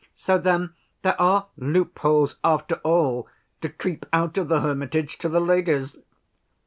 "So then there are loopholes, after all, to creep out of the hermitage to the ladies.